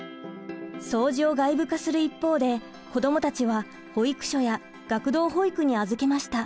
掃除を外部化する一方で子どもたちは保育所や学童保育に預けました。